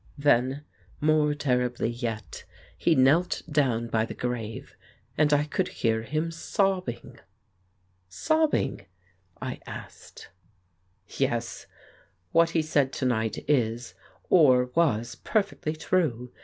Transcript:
Then, more terribly yet, he knelt down by the grave, and I could hear him sobbing." "Sobbing?" I asked. K i53 The Case of Frank Hampden "Yes. What he said to night is, or was, perfectly true.